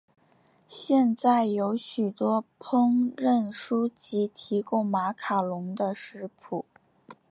现在有许多烹饪书籍提供马卡龙的食谱。